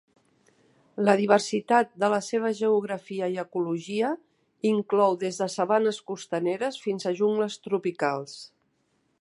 La diversitat de la seva geografia i ecologia inclou des de sabanes costaneres fins a jungles tropicals.